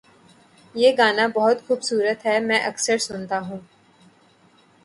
یہ گانا بہت خوبصورت ہے، میں اکثر سنتا ہوں